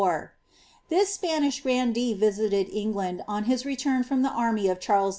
Thie Spanish grandee visited England on his return from the army of Charles v.